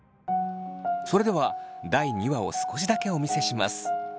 それでは第２話を少しだけお見せします。